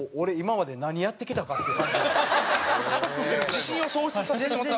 自信を喪失させてしまった。